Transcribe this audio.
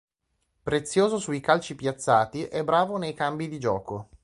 Prezioso sui calci piazzati, è bravo nei cambi di gioco.